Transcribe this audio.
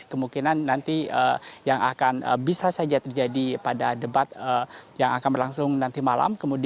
kemungkinan nanti yang akan bisa saja terjadi pada debat yang akan berlangsung nanti malam